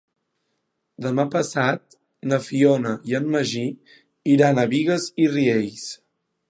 Demà passat na Fiona i en Magí iran a Bigues i Riells.